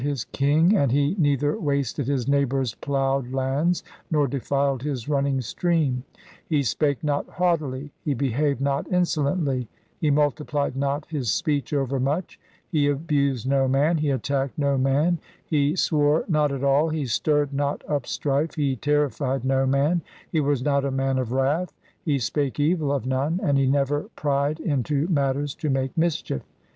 his king, and he neither wasted his neighbour's plough ed lands nor denied his running stream. He spake not haughtily, he behaved not insolently, he multiplied not his speech overmuch, he abused no man, he attacked no man, he swore not at all, he stirred not up strife, he terrified no man, he was not a man of wrath, he spake evil of none, and he never pried into matters to make mischief.